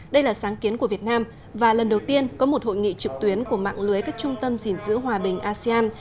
đây là sáng kiến của việt nam và lần đầu tiên có một hội nghị trực tuyến của mạng lưới các trung tâm gìn giữ hòa bình asean